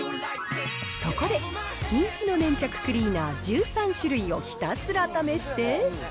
そこで、人気の粘着クリーナー１３種類をひたすら試して。